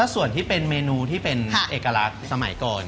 ส่วนที่เป็นเมนูที่เป็นเอกลักษณ์สมัยก่อน